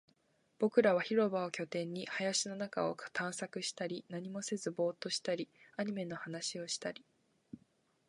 僕らは広場を拠点に、林の中を探索したり、何もせずボーっとしたり、アニメの話をしたり